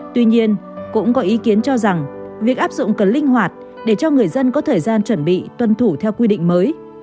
tuy nhiên cũng có ý kiến cho rằng việc áp dụng cần linh hoạt để cho người dân có thời gian chuẩn bị tuân thủ theo quy định mới